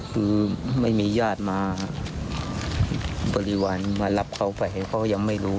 คือไม่มีญาติมาบริวารมารับเขาไปเขาก็ยังไม่รู้